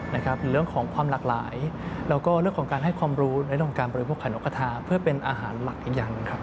เรื่องของความหลากหลายแล้วก็เรื่องของการให้ความรู้ในเรื่องของการบริโภคไข่นกกระทาเพื่อเป็นอาหารหลักอีกอย่างหนึ่งครับ